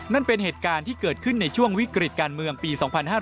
นั่นเป็นเหตุการณ์ที่เกิดขึ้นในช่วงวิกฤตการเมืองปี๒๕๕๙